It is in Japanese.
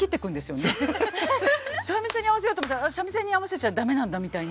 三味線に合わせようと思ったら三味線に合わせちゃダメなんだみたいな。